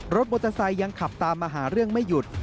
รถมอเตอร์ไซค์ยังขับตามมาหาเรื่องไม่หยุด